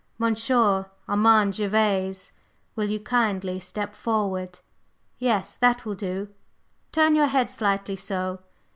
Monsieur Armand Gervase, will you kindly step forward? Yes, that will do, turn your head slightly, so!